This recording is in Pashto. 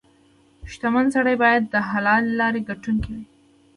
• شتمن سړی باید د حلالې لارې ګټونکې وي.